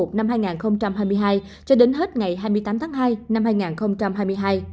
từ ngày hai mươi chín tháng một năm hai nghìn hai mươi hai cho đến hết ngày hai mươi tám tháng hai năm hai nghìn hai mươi hai